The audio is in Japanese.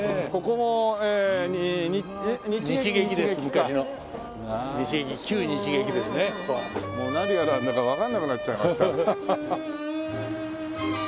もう何がなんだかわからなくなっちゃいました。